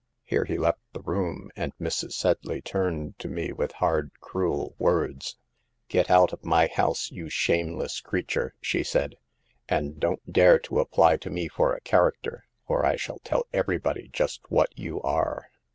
"' Here he left the room, and Mrs. Sedley turned to me with hard, cruel words. " 4 " Get out of my house, you shameless creature," she said, " and don't dare to apply to me for a character, for I shall tell everybody just what you are."